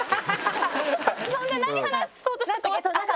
そんな何話そうとしたか。